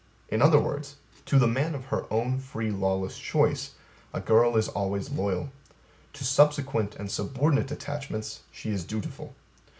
In other words, To the man of her own free lawless choice a girl is always loyal; to subsequent and subordinate attachments she is dutiful.